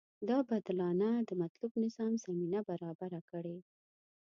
دا بدلانه د مطلوب نظام زمینه برابره کړي.